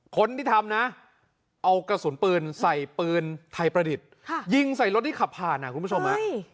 คนที่ทำนะเอากระสุนปืนใส่ปืนไทยประดิษฐ์ยิงใส่รถที่ขับผ่านคุณผู้ชม